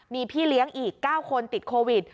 มีพี่เลี้ยงอีก๙คนติดโควิด